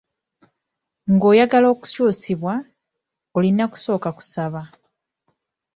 Ng'oyagala okukyusibwa, olina kusooka kusaba.